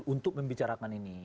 untuk membicarakan ini